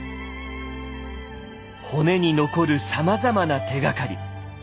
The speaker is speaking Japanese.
骨に残るさまざまな手がかり。